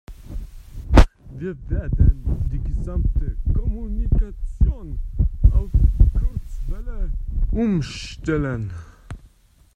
Wir werden die gesamte Kommunikation auf Kurzwelle umstellen.